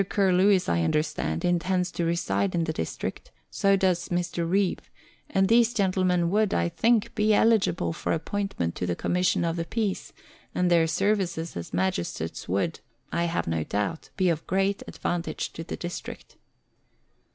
Curlewis, I understand, intends to reside in the district; so does Mr. Reeve; and these gentlemen would, I think, be eligible for appointment to the Commission of the Peace, and their services as magistrates would, I have no doubt, be of great advantage to the district.